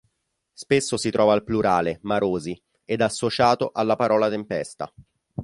Spesso si trova al plurale "marosi" ed associato alla parola tempesta.